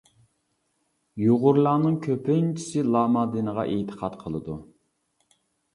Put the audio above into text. يۇغۇرلارنىڭ كۆپىنچىسى لاما دىنىغا ئېتىقاد قىلىدۇ.